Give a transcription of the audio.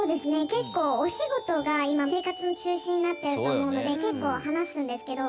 結構お仕事が今生活の中心になっていると思うので結構話すんですけど」